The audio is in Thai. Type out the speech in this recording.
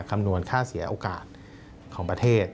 คำนวณค่าเสียโอกาสของประเทศ